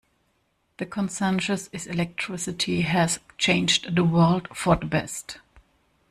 The consensus is electricity has changed the world for the best.